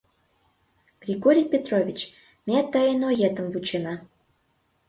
— Григорий Петрович, ме тыйын оетым вучена.